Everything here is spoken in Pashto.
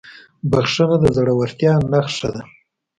بښنه د زړهورتیا نښه ده.